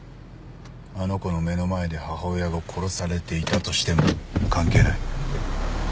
あの子の目の前で母親が殺されていたとしても関係ない。